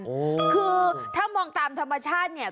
โอ้โหคือถ้ามองตามธรรมชาติเนี่ย